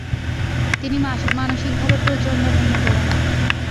তিনি মানসিকভাবে প্রচণ্ড ভেঙে পড়েন।